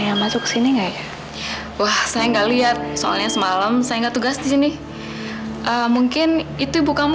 ibu sangat menyayangi kamu